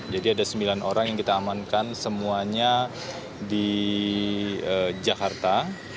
jadi ada sembilan orang yang kita amankan semuanya di jakarta